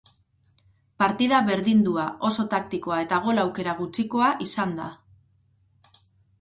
Partida berdindua, oso taktikoa eta gol aukera gutxikoa izan da.